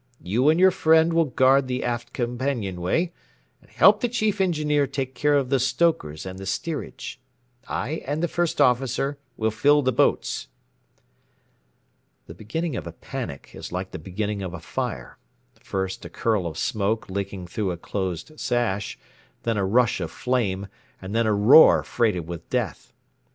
You and your friend will guard the aft companion way, and help the Chief Engineer take care of the stokers and the steerage. I and the First Officer will fill the boats." The beginning of a panic is like the beginning of a fire: first a curl of smoke licking through a closed sash, then a rush of flame, and then a roar freighted with death.